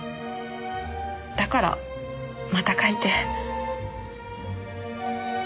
だからまた書いて。